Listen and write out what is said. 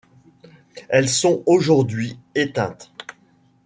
Elles sont aujourd'hui éteintes.